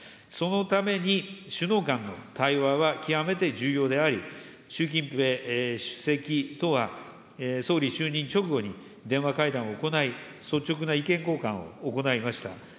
そのために、首脳間の対話は極めて重要であり、習近平主席とは総理就任直後に電話会談を行い、率直な意見交換を行いました。